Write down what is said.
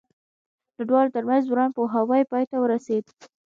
د دواړو ترمنځ ورانپوهاوی پای ته ورسېد.